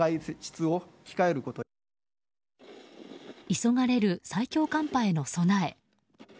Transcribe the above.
急がれる最強寒波への備え。